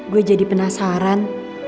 gue jadi penasaran